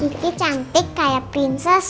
ini kiki cantik kayak prinses